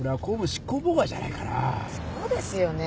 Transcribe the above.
そうですよね。